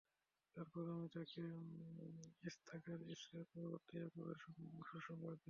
তারপর আমি তাকে ইসহাকের ও ইসহাকের পরবর্তী ইয়াকূবের সুসংবাদ দিলাম।